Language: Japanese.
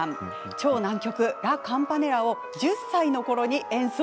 超難曲「ラ・カンパネラ」を１０歳のころに演奏。